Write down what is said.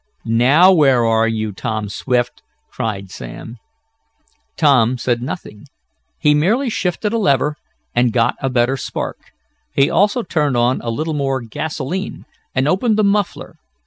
"Now where are you, Tom Swift?" cried Sam. Tom said nothing. He merely shifted a lever, and got a better spark. He also turned on a little more gasolene and opened the muffler.